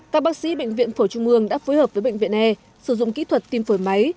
các bác sĩ bệnh viện phổi trung mương đã phối hợp với bệnh viện e sử dụng kỹ thuật tiêm phổi máy